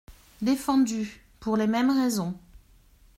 Défendu, pour les mêmes raisons.